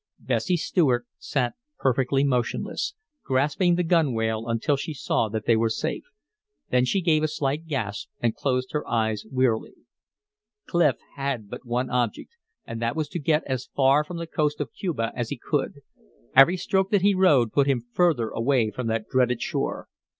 Bessie Stuart sat perfectly motionless, grasping the gunwale, until she saw that they were safe. Then she gave a slight gasp and closed her eyes wearily. Clif had but one object, and that was to get as far from the coast of Cuba as he could; every stroke that he rowed put him further away from that dreaded shore.